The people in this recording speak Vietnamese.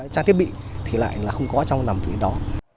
trang thiết bị thì lại là không có trong nằm phía đó